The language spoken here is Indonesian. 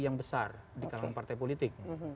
yang besar di kalangan partai politik